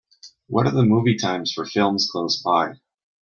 What are the movie times for films close by